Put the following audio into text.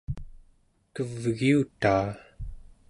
kevgiutaa